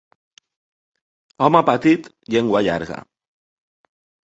Home petit, llengua llarga.